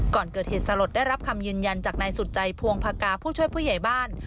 ก่อนเกิดเหตุสลดได้รับคำยืนยันจากนายสุดใจพวงพากาผู้ช่วยผู้ใหญ่บ้าน